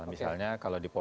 misalnya kalau dipolisi